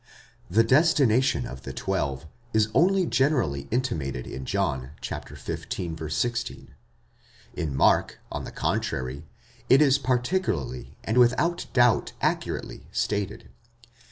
The destination of the twelve is only generally intimated in John (xv. 16) ; in Mark, on the contrary, it is particularly, and without doubt accurately, stated.